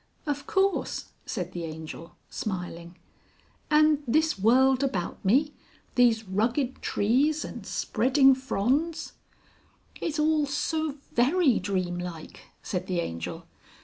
"Of course," said the Angel smiling. "And this world about me, these rugged trees and spreading fronds " "Is all so very dream like," said the Angel.